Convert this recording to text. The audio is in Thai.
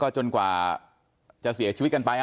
จนกว่าจะเสียชีวิตกันไป